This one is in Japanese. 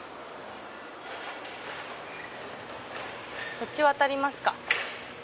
こっち渡りますか。